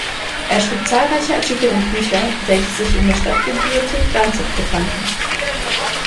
Er schrieb zahlreiche Artikel und Bücher, welche sich in der Stadtbibliothek Danzig befanden.